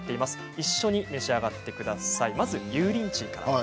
一緒に召し上がってください。